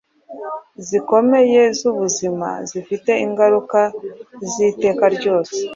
zikomeye z’ubuzima zifite ingaruka z’iteka ryose,